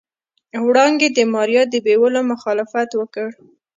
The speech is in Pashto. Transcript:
وړانګې د ماريا د بيولو مخالفت وکړ.